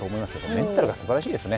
メンタルがすばらしいですね。